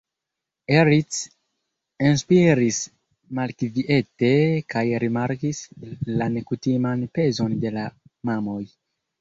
Eric enspiris malkviete kaj rimarkis la nekutiman pezon de la mamoj.